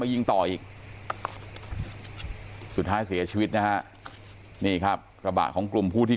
ยิงต่ออีกสุดท้ายเสียชีวิตนะฮะนี่ครับกระบะของกลุ่มผู้ที่